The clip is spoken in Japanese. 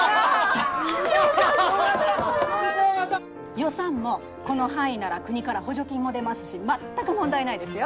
予算もこの範囲なら国から補助金も出ますし全く問題ないですよ。